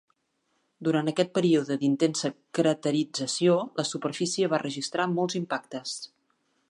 Durant aquest període d'intensa craterització, la superfície va registrar molts impactes.